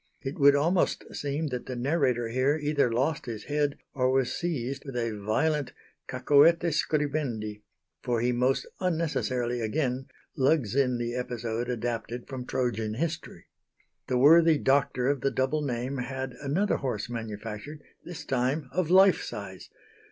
It would almost seem that the narrator here either lost his head or was seized with a violent cacoethes scribendi, for he most unnecessarily again lugs in the episode adapted from Trojan history. The worthy doctor of the double name had another horse manufactured, this time of life size.